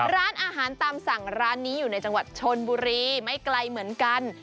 ร้านอาหารตามสั่งร้านนี้อยู่ในจังหวัดชนบุรีไม่ไกลเหมือนกัน